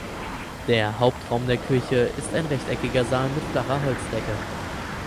Der Hauptraum der Kirche ist ein rechteckiger Saal mit flacher Holzdecke.